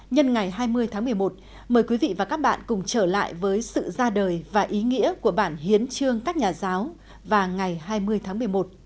nhân ngày hai mươi tháng một mươi một mời quý vị và các bạn cùng trở lại với sự ra đời và ý nghĩa của bản hiến chương các nhà giáo vào ngày hai mươi tháng một mươi một